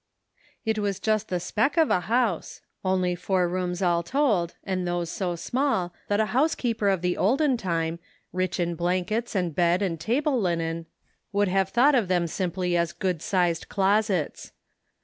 T was just a speck of a house — only four rooms all told — and those so small that a housekeeper of the olden time, rich in blankets, and bed and table linen, would have thought of them simply as good sized closets.